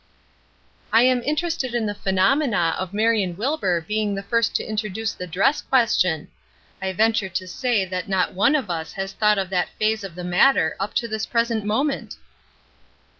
"I am interested in the phenomena of Marion Wilbur being the first to introduce the dress question. I venture to say not one of us has thought of that phase of the matter up to this present moment."